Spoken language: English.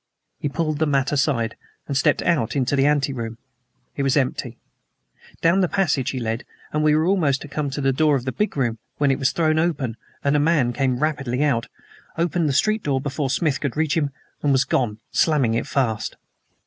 He pulled the mat aside and stepped out into the anteroom. It was empty. Down the passage he led, and we were almost come to the door of the big room when it was thrown open and a man came rapidly out, opened the street door before Smith could reach him, and was gone, slamming it fast.